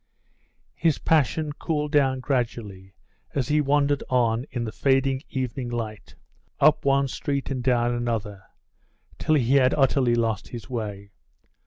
His passion cooled down gradually as he wandered on in the fading evening light, up one street and down another, till he had utterly lost his way.